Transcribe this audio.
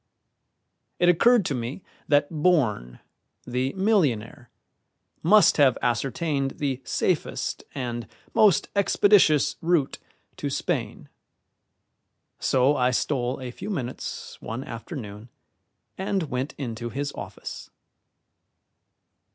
It occurred to me that Bourne, the millionaire, must have ascertained the safest and most expeditious route to Spain; so I stole a few minutes one afternoon and went into his office.